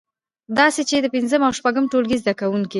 داسې چې د پنځم او شپږم ټولګي زده کوونکی